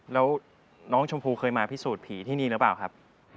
แล้วน้องชมพู่เคยมาพิสูจน์ผีที่นี่หรือเปล่าครับ